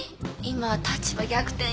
今は立場逆転。